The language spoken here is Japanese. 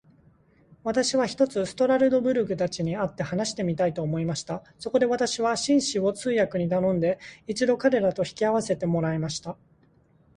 私は、ひとつストラルドブラグたちに会って話してみたいと思いました。そこで私は、紳士を通訳に頼んで、一度彼等と引き合せてもらいました。